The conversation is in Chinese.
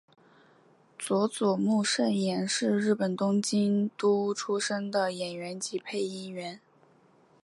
佐佐木胜彦是日本东京都出身的演员及配音员。